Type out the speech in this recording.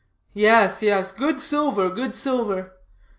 Yes, yes; good silver, good silver.